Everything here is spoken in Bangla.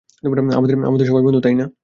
আমরা সবাই বন্ধু, তাইনা?